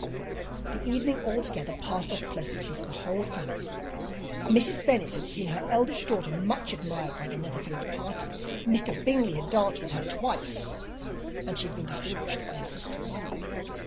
The evening altogether passed off pleasantly to the whole family. Mrs. Bennet had seen her eldest daughter much admired by the Netherfield party. Mr. Bingley had danced with her twice, and she had been distinguished by his sisters.